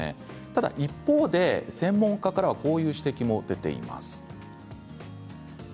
ただ一方で専門家からはこんな指摘も出ています。